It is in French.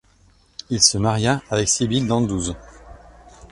Il se maria avec Sibylle d'Anduze.